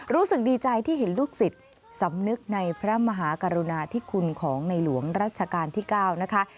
รู้สึกดีใจที่เห็นลูกศิษย์สำนึกในพระมหากรุณาธิคุณของในหลวงรัชกาลที่๙นะคะ